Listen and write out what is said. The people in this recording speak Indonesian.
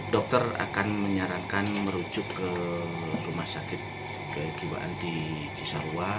dokter akan menyarankan merujuk ke rumah sakit kejiwaan di cisarua